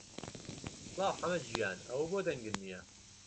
سڵاو حەمە گیان، ئەوە بۆ دەنگت نییە؟